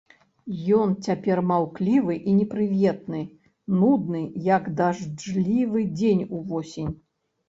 Ён цяпер маўклівы і непрыветны, нудны, як дажджлівы дзень увосень.